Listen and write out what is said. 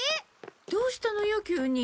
どうしたのよ急に。